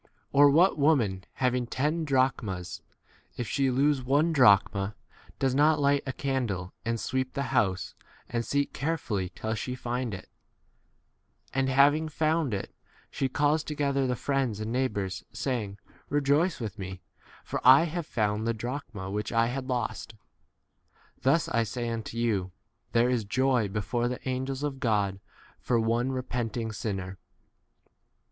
Or, what woman having ten drachmas, if she lose one drachma, does not light a candle and sweep the h house and seek carefully till she find it ? 9 and having found it, she calls to gether the friends and neighbours, saying, Eejoice with me, for I have found the drachma which I 10 had lost. Thus, I say unto you, there is joy 1 before the angels of God for one repenting sinner.